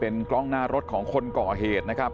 กล้องหน้ารถของคนก่อเหตุนะครับ